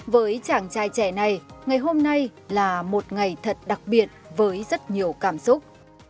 với chàng trai trẻ này ngày hôm nay là một ngày thật đặc biệt với rất nhiều cảm xúc